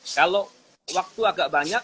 kalau waktu agak banyak